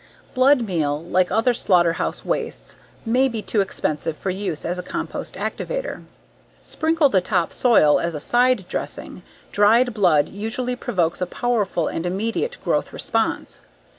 Blood meal, like other slaughterhouse wastes, may be too expensive for use as a compost activator. Sprinkled atop soil as a side dressing, dried blood usually provokes a powerful and immediate growth response.